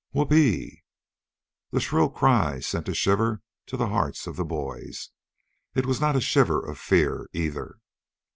"Who o o o p e e e!" The shrill cry sent a shiver to the hearts of the boys. It was not a shiver of fear, either.